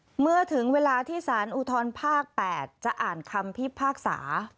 เมื่อถึงเวลาที่สารอุทธรภาค๘จะอ่านคำพิพากษา